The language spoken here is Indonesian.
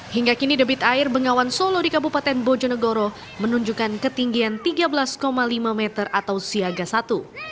hingga kini debit air bengawan solo di kabupaten bojonegoro menunjukkan ketinggian tiga belas lima meter atau siaga satu